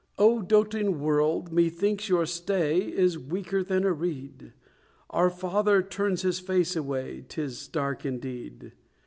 "O, doting world, methinks your stay Is weaker than a reed! Our Father turns His face away; 'Tis dark indeed."